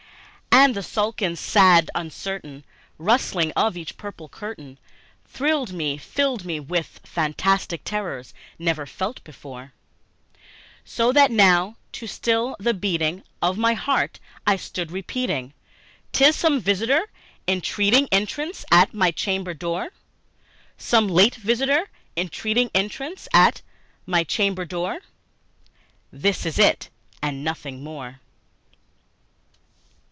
And the silken, sad, uncertain rustling of each purple curtain Thrilled me filled me with fantastic terrors never felt before; So that now, to still the beating of my heart, I stood repeating, "'Tis some visitor entreating entrance at my chamber door Some late visitor entreating entrance at my chamber door: This it is, and nothing more."